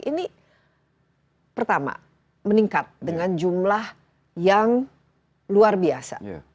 ini pertama meningkat dengan jumlah yang luar biasa